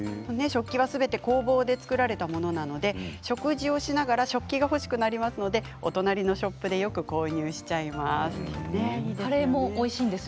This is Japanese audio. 食器はすべて工房で作られたものなので食事をしながら食器が欲しくなりますので、お隣のショップでよく購入しちゃいます。